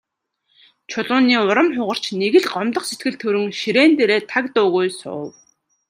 Чулууны урам хугарч, нэг л гомдох сэтгэл төрөн ширээн дээрээ таг дуугүй суув.